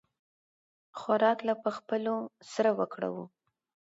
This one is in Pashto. خوراک له خپلو سره وکړه او